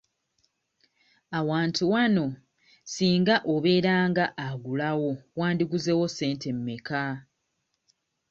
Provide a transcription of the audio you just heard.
Awantu wano singa obeera nga ogulawo wandiguzeewo ssente mmeka?